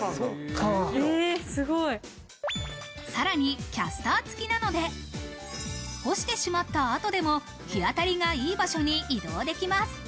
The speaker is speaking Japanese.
さらにキャスター付きなので、干してしまった後でも、日当たりがいい場所に移動できます。